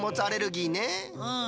うん。